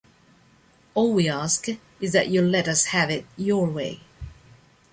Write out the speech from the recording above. All we ask is that you let us have it your way!